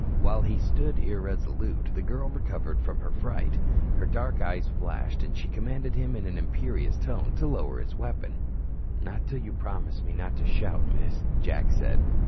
While he stood irresolute, the girl recovered from her fright. Her dark eyes flashed, and she commanded him in an imperious tone to lower his weapon. "Not till you promise me not to shout, Miss," Jack said.